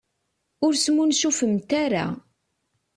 Ur smuncufemt ara.